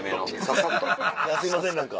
すいません何か。